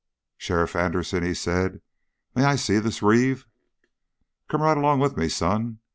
"Sheriff Anderson," he said, "may I see this Reeve?" "Come right along with me, son.